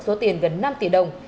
số tiền gần năm tỷ đồng